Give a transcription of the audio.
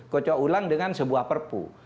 kocok ulang dengan sebuah perpu